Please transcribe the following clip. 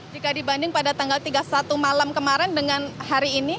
jika dibanding pada tanggal tiga puluh satu malam kemarin dengan hari ini